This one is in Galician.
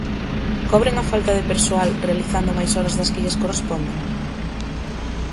Cobren a falta de persoal realizando máis horas das que lles corresponden?